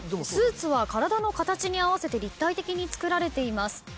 スーツは体の形に合わせて立体的に作られています。